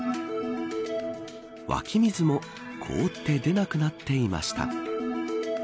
湧き水も凍って出なくなっていました。